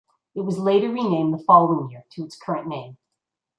It was later renamed the following year to its current name.